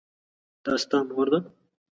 دا ستا مور ده ؟